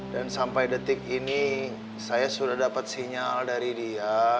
dan sampai detik ini saya sudah dapat sinyal dari dia